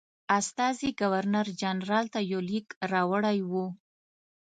استازي ګورنرجنرال ته یو لیک راوړی وو.